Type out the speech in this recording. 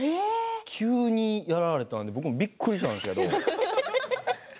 急にやられたんで僕もびっくりしたんですけど。